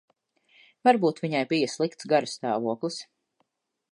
Varbūt viņai bija slikts garastāvoklis.